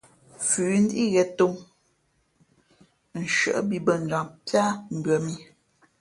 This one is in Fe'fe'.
Fʉ̌ ndíʼ ghěn tōm, nshʉᾱ bī bᾱ njam píá mbʉα mǐ.